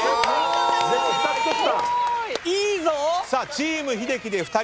チーム英樹で２人。